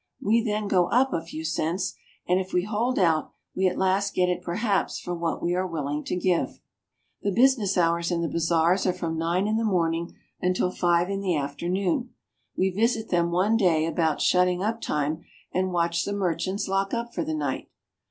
We then go up a few cents, and if we hold out we at last get it perhaps for what we are willing to give. The business hours in the bazaars are from nine in the morning until five in the afternoon. We visit them one day about shutting up time, and watch the merchants lock up for the night.